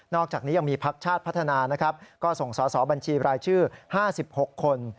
อกจากนี้ยังมีพักชาติพัฒนานะครับก็ส่งสอสอบัญชีรายชื่อ๕๖คน